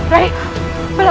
rai jangan berlalu